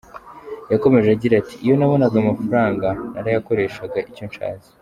Yakomeje agira ati "Iyo nabonaga amafaranga nayakoreshaga icyo nshatse.